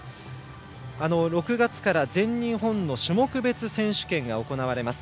６月から全日本の種目別選手権が行われます。